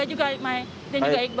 dan juga iqbal